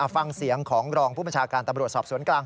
ฟังเสียงของรองผู้บัญชาการตำรวจสอบสวนกลาง